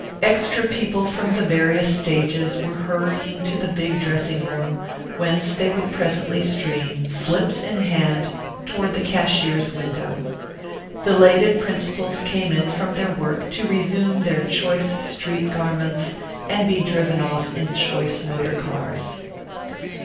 Extra people from the various stages were hurrying to the big dressing room, whence they would presently stream, slips in hand, toward the cashier's window. Belated principals came in from their work to resume their choice street garments and be driven off in choice motor cars.